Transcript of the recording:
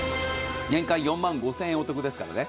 年間４万５０００円お得ですからね。